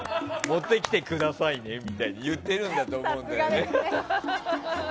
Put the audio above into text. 持ってきてくださいねみたいに言ってるんだと思うんだよね。